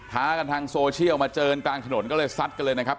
้ากันทางโซเชียลมาเจอกันกลางถนนก็เลยซัดกันเลยนะครับ